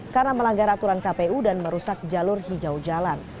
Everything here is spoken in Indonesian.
karena melanggar aturan kpu dan merusak jalur hijau jalan